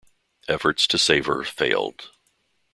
Efforts to save her failed.